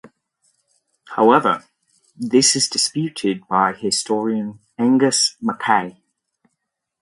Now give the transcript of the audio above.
However, this is disputed by historian Angus Mackay.